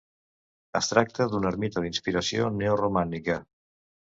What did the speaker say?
Es tracta d'una ermita d'inspiració neoromànica.